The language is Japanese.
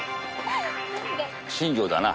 新庄だな？